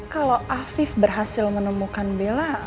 kalau afif berhasil menemukan bella